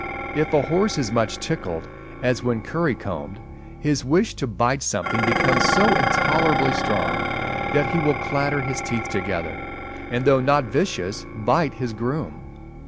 If a horse is much tickled, as when curry combed, his wish to bite something becomes so intolerably strong, that he will clatter his teeth together, and though not vicious, bite his groom.